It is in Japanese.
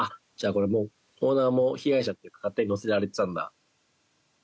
これオーナーも被害者というか勝手に載せられていたんだ。